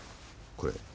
これ。